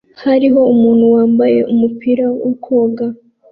Hariho umuntu wambaye umupira wo koga